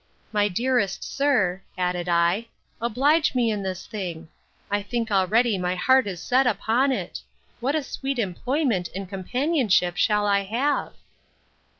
My dearest sir, added I, oblige me in this thing! I think already my heart is set upon it! What a sweet employment and companionship shall I have!